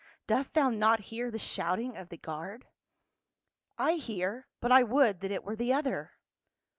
Dost thou not hear the shouting of the guard?" " I hear ; but I would that it were the other."